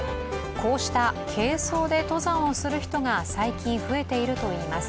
こうした軽装で登山をする人が最近増えているといいます。